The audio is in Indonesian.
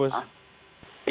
kenapa kenapa pak turbus